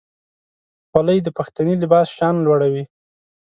خولۍ د پښتني لباس شان لوړوي.